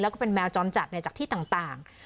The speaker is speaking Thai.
แล้วก็เป็นแมวจอมจัดจากที่ต่าง